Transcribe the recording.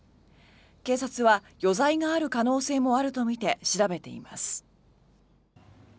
警察は余罪がある可能性もあるとみて調べています。